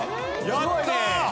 やった！